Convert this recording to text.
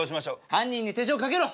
犯人に手錠かけろ。